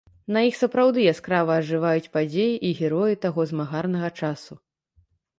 На іх сапраўды яскрава ажываюць падзеі і героі таго змагарнага часу.